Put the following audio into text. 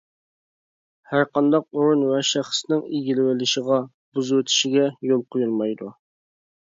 ھەرقانداق ئورۇن ۋە شەخسنىڭ ئىگىلىۋېلىشىغا، بۇزۇۋېتىشىگە يول قويۇلمايدۇ.